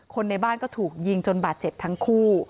ในบ้านก็ถูกยิงจนบาดเจ็บทั้งคู่